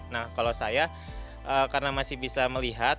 nah kalau saya karena masih bisa melihat